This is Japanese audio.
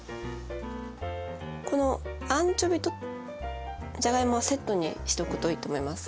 このアンチョビとじゃがいもはセットにしとくといいと思います。